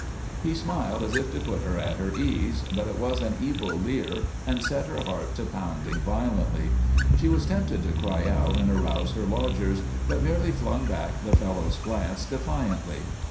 He smiled as if to put her at her ease, but it was an evil leer and set her heart to pounding violently. She was tempted to cry out and arouse her lodgers, but merely flung back the fellow's glance defiantly.